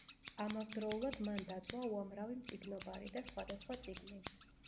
ამავდროულად მან დაწვა უამრავი მწიგნობარი და სხვადასხვა წიგნი.